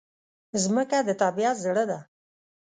مځکه د طبیعت زړه ده.